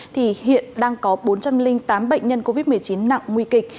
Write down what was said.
thì hiện đang có bốn trăm linh tám bệnh nhân covid một mươi chín nặng nguy kịch